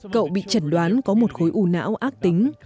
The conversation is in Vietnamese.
cậu bị trật đoán có một khối ưu não ác tính